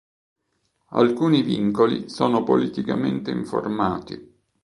Alcuni vincoli sono politicamente informati.